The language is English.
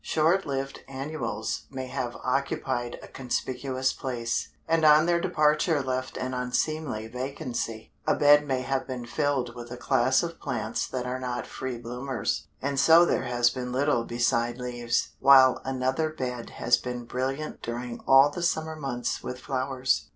Short lived annuals may have occupied a conspicuous place, and on their departure left an unseemly vacancy. A bed may have been filled with a class of plants that are not free bloomers, and so there has been little beside leaves, while another bed has been brilliant during all the summer months with flowers.